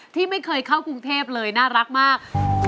ที่ไม่เคยเข้ากรุงเทพเลยน่ารักมาก